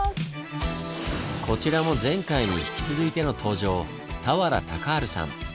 こちらも前回に引き続いての登場田原敬治さん。